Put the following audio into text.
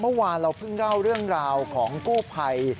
เมื่อวานเราเพิ่งเล่าเรื่องราวของกู้ภัย